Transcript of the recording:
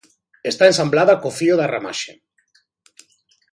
Está ensamblada co fío da ramaxe.